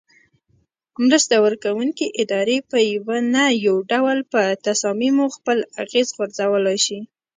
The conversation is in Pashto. مرسته ورکوونکې ادارې په یو نه یو ډول په تصامیمو خپل اغیز غورځولای شي.